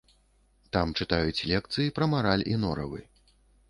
Там чытаюць лекцыі пра мараль і норавы.